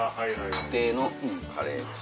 家庭のカレー。